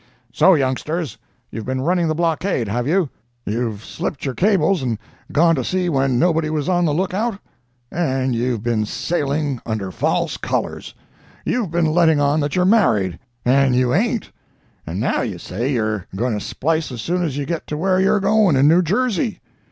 "So, youngsters, you've been running the blockade, have you? You've slipped your cables and gone to sea when nobody was on the lookout? And you've been sailing under false colors! You've been letting on that you're married, and you ain't!—and now you say you're going to splice as soon as you get to where you're going, in New Jersey.